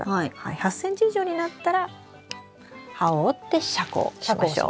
８ｃｍ以上になったら葉を折って遮光しましょう。